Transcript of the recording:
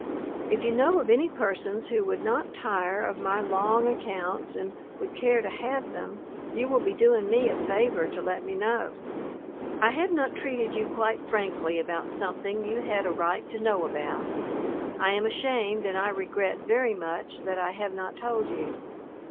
If you know of any persons who would not tire of my long accounts and would care to have them, you will be doing me a favor to let me know. I have not treated you quite frankly about something you had a right to know about. I am ashamed and I regret very much that I have not told you.